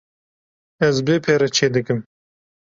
Ez bê pere çê dikim.